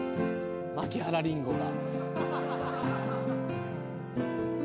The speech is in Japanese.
槇原りんごが。